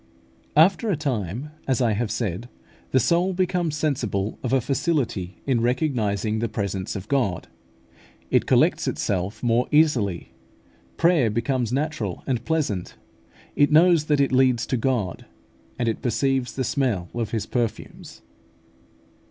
After a time, as I have said, the soul becomes sensible of a facility in recognising the presence of God; it collects itself more easily; prayer becomes natural and pleasant; it knows that it leads to God; and it perceives the smell of His perfumes.